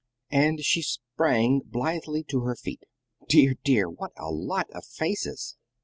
And she sprang blithely to her feet. "Dear, dear, what a lot of faces!